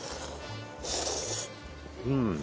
うん！